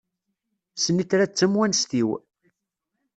Snitra d tamewanest-iw.